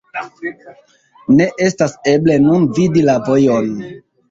Ne estas eble nun vidi la vojon.